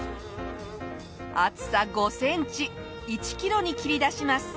厚さ５センチ１キロに切り出します。